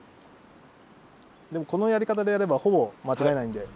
このやり方でやればほぼ間違えないんで。